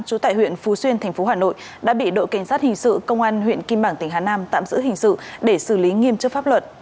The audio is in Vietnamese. trú tại huyện phú xuyên thành phố hà nội đã bị đội cảnh sát hình sự công an huyện kim bảng tỉnh hà nam tạm giữ hình sự để xử lý nghiêm chức pháp luật